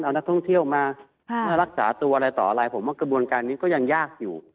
เอานักท่องเที่ยวมารักษาตัวอะไรต่ออะไรผมว่ากระบวนการนี้ก็ยังยากอยู่